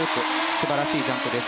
素晴らしいジャンプです。